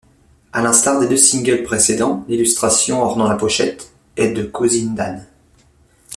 À l'instar des deux singles précédents, l'illustration ornant la pochette est de Kozyndan.